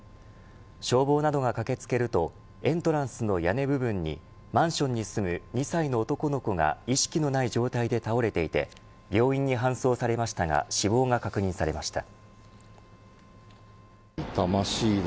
消防などが駆けつけるとエントランスの屋根部分にマンションに住む２歳の男の子が意識のない状態で倒れていて病院に搬送されましたが死亡が確認されました。